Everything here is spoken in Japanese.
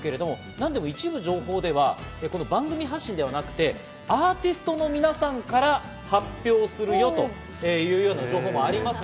何でも一部情報では番組発信ではなくて、アーティストの皆さんから発表するよというような情報もあります。